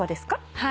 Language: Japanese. はい。